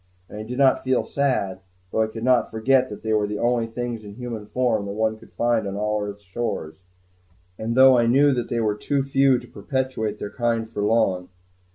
And I did not feel sad, though I could not forget that they were the only things in human form that one could find on all earth's shores, and though I knew that they were too few to perpetuate their kind for long.